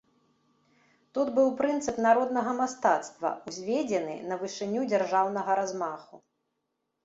Тут быў прынцып народнага мастацтва, узведзены на вышыню дзяржаўнага размаху.